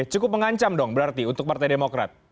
cukup mengancam dong berarti untuk partai demokrat